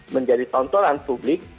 menjadi tontonan publik